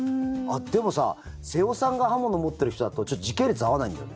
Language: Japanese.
でもさ背尾さんが刃物持ってる人だと時系列合わないんだよね。